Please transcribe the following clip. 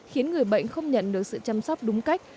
khiến người bệnh không nhận được sự chăm sóc đúng cách